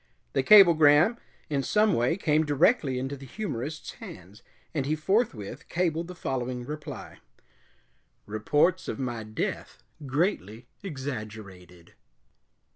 The cablegram in some way came directly into the humorist's hands, and he forthwith cabled the following reply: "Reports of my death greatly exaggerated."